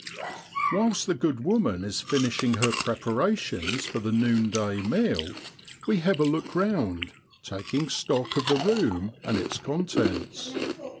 Whilst the good woman is finishing her preparations for the noonday meal we have a look round, taking stock of the room and its contents.